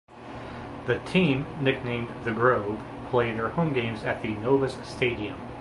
The team, nicknamed "The Grove", play their home games at The Novus Stadium.